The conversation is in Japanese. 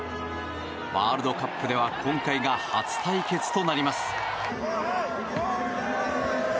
ワールドカップでは今回が初対決となります。